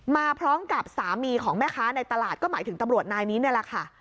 มาพร้อมกับสามีของแม่ค้าในตลาดก็หมายถึงตำรวจนายนี้นี่แหละค่ะ